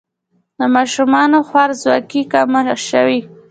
د ماشومانو خوارځواکي کمه شوې؟